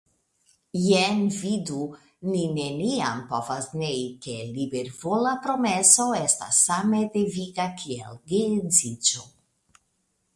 Jes vidu, ni neniam povas nei ke libervola promeso estas same deviga kiel geedziĝo.